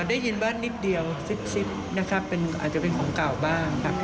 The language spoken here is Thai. ได้ยินว่านิดเดียวซิบนะครับอาจจะเป็นของเก่าบ้างครับ